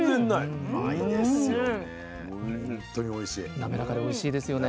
滑らかでおいしいですよね。